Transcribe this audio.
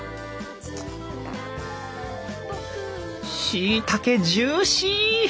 しいたけジューシー！